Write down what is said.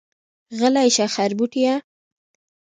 غلی شه خربوټيه.